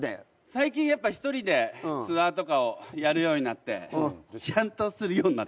最近やっぱ１人でツアーとかをやるようになってちゃんとするようになってますよ。